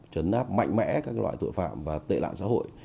chấn áp mạnh mẽ các loại tội phạm và tệ lạ xã hội